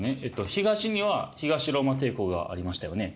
東には東ローマ帝国がありましたよね。